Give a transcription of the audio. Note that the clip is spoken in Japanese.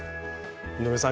井上さん